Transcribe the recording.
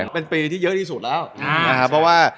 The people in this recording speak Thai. เป็นไปที่เยอะที่สุดแล้ว